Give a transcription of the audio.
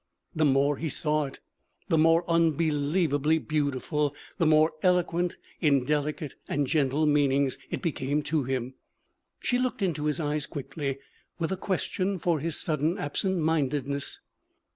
The more he saw it, the more unbelievably beautiful, the more eloquent in delicate and gentle meanings, it became to him. She looked into his eyes quickly, with a question for his sudden absent mindedness.